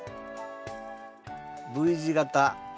Ｖ字型。